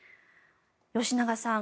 吉永さん